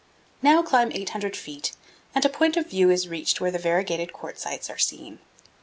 Now climb 800 feet and a point of view is reached where the variegated quartzites are seen.